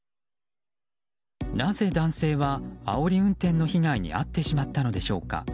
なぜ、男性はあおり運転の被害に遭ってしまったのでしょうか。